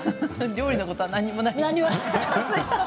料理のことは何もないんだ。